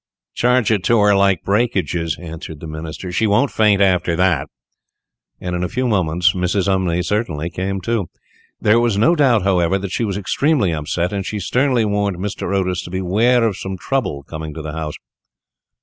"Charge it to her like breakages," answered the Minister; "she won't faint after that;" and in a few moments Mrs. Umney certainly came to. There was no doubt, however, that she was extremely upset, and she sternly warned Mr. Otis to beware of some trouble coming to the house.